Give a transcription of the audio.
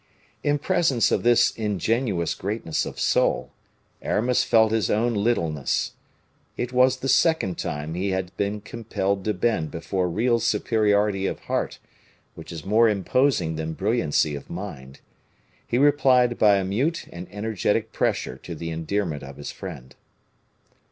In presence of this ingenuous greatness of soul, Aramis felt his own littleness. It was the second time he had been compelled to bend before real superiority of heart, which is more imposing than brilliancy of mind. He replied by a mute and energetic pressure to the endearment of his friend.